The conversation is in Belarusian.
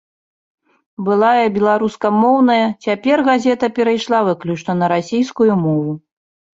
Былая беларускамоўная, цяпер газета перайшла выключна на расійскую мову.